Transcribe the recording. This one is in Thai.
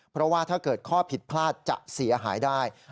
เพราะว่าถ้าเกิดข้อผิดพลาดจะเสียหายได้